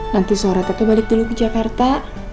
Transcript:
nanti sore atau balik dulu ke jakarta